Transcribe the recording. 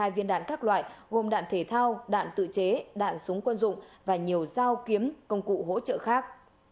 hai viên đạn các loại gồm đạn thể thao đạn tự chế đạn súng quân dụng và nhiều dao kiếm công cụ hỗ trợ khác